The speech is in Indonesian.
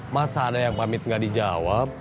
masa ada yang pamit gak dijawab